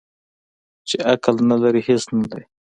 ـ چې عقل نه لري هېڅ نه لري.